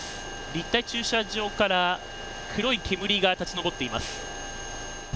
立体駐車場から黒い煙が立ち上っています。